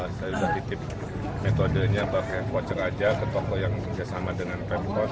saya sudah titip metodenya pakai voucher aja ke toko yang kerjasama dengan pemkos